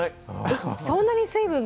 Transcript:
そんなに水分が。